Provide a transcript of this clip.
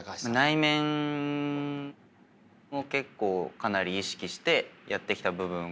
内面を結構かなり意識してやってきた部分がありますね。